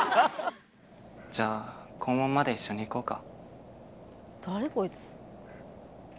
じゃあ校門まで一緒に行こうか。